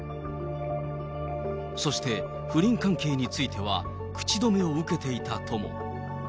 そして、不倫関係については、口止めを受けていたとも。